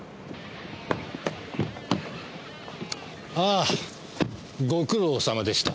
ああご苦労さまでした。